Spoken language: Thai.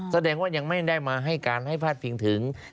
แสดงว่ายังไม่ได้มาให้การให้พาดพิงถึง